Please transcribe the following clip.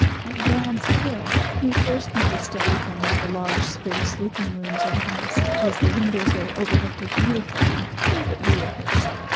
At "Gad's Hill" he first made a study from one of the large spare sleeping rooms of the house, as the windows there overlooked a beautiful and favorite view of his.